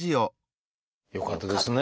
よかったですね。